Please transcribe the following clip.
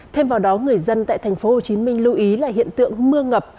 thêm vào đó người dân tại tp hcm lưu ý là hiện tượng mưa ngập